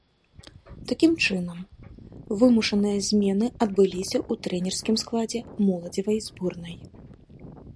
Такім чынам, вымушаныя змены адбыліся і ў трэнерскім складзе моладзевай зборнай.